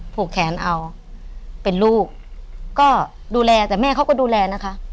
ผูกแขนเอาเป็นลูกก็ดูแลแต่แม่เขาก็ดูแลนะคะ